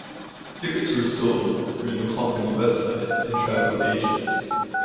Tickets were sold through the company website and travel agents.